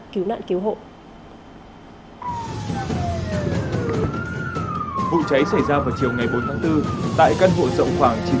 cứu nạn cứu hộ vụ cháy xảy ra vào chiều ngày bốn tháng bốn tại căn hộ rộng khoảng chín mươi m hai nằm ở tầng